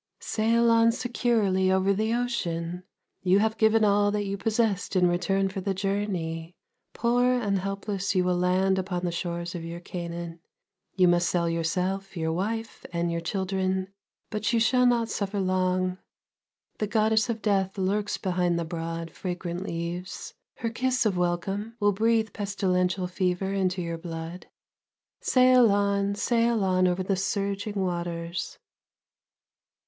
Sail on securely over the ocean! you have given all that you possessed in return for the journey; poor and helpless you will land upon the shores of your Canaan. You must sell yourself, your wife, and your children, but you shall not suffer long. The goddess of death lurks behind the broad, fragrant leaves, her kiss of welcome will breathe pestilential fever into your blood! Sail on, sail on over the surging waters!